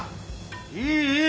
いいいい。